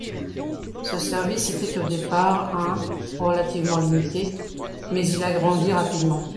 Ce service était au départ un relativement limité, mais il a grandi rapidement.